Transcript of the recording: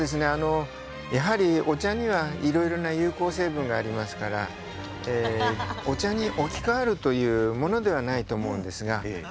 やはりお茶にはいろいろな有効成分がありますからお茶に置き換えるというものではないと思いますが。